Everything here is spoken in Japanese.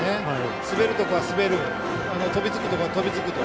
滑るところは滑る飛びつくところは飛びつくと。